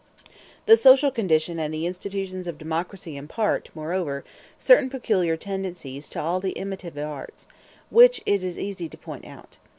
The social condition and the institutions of democracy impart, moreover, certain peculiar tendencies to all the imitative arts, which it is easy to point out.